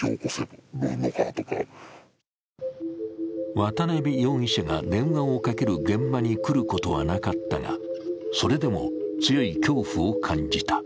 渡辺容疑者が電話をかける現場に来ることはなかったがそれでも強い恐怖を感じた。